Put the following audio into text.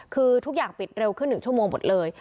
คือทุกอย่างปิดเร็วขึ้น๑ชั่วโมงหมดเลย